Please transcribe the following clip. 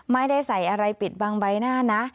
ไม่ได้ใส่อะไรปิดบังใบหน้านะ